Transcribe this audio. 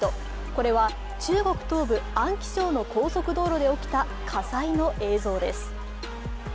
これは中国東部・安徽省の高速道路で起きた火災の映像です。